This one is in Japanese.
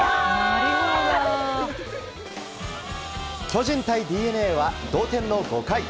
巨人対ＤｅＮＡは同点の５回。